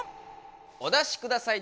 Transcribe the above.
お出しください。